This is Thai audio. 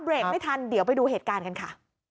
ไม่ทันเดี๋ยวไปดูเหตุการณ์กันค่ะ